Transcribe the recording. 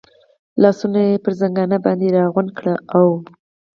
لاسونه یې پر زنګانه باندې را غونډ کړل، اوه.